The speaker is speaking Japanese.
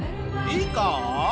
いいか？